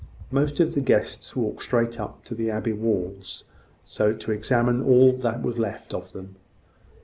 Most of the guests walked straight up to the abbey walls, to examine all that was left of them.